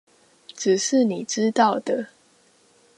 只是你知道的